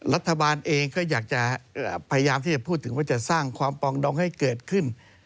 รัฐบาลเองก็อยากจะพยายามที่จะพูดถึงว่าจะสร้างความปองดองให้เกิดขึ้น